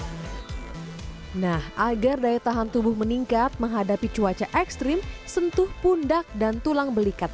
hai nah agar daya tahan tubuh meningkat menghadapi cuaca ekstrim sentuh pundak dan tulang belikat